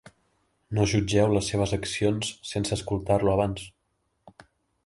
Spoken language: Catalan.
No jutgeu les seves accions sense escoltar-lo abans.